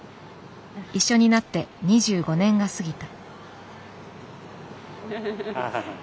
一緒になって２５年が過ぎた。